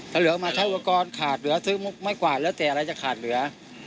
ถ้าเหลือมาใช้อุปกรณ์ขาดเหลือซื้อมุกไม้กวาดแล้วแต่อะไรจะขาดเหลือ